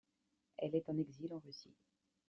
Elle est en exil en Russie.